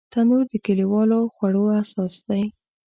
تنور د کلیوالو خوړو اساس دی